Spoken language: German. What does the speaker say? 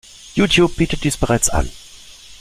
YouTube bietet dies bereits an.